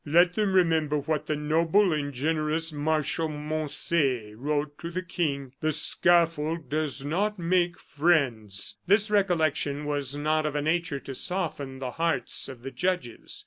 Let them remember what the noble and generous Marshal Moncey wrote to the King: 'The scaffold does not make friends.'" This recollection was not of a nature to soften the hearts of the judges.